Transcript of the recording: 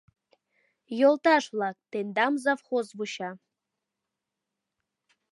Йолташ-влак, тендам завхоз вуча!